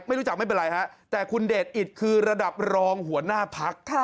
ไม่รู้จักไม่เป็นไรฮะแต่คุณเดชอิตคือระดับรองหัวหน้าพัก